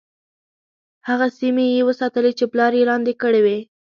هغه سیمي یې وساتلې چې پلار یې لاندي کړې وې.